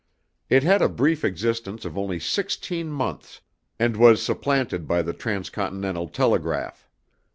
It had a brief existence of only sixteen months and was supplanted by the transcontinental telegraph.